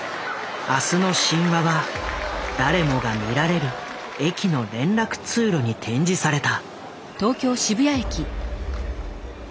「明日の神話」は誰もが見られる駅の連絡通路に展示された。